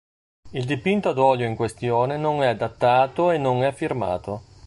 Il dipinto ad olio in questione non è datato e non è firmato